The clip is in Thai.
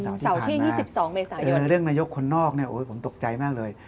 เสาร์ที่๒๒เมษายนตร์ค่ะเรื่องนายกคนนอกผมตกใจมากเลย